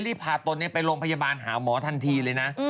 รีบพาตนไปโรงพยาบาลหาหมอทันทีเลยนะ